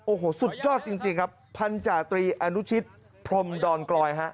โอ้โหสุดยอดจริงครับพันธาตรีอนุชิตพรมดอนกลอยฮะ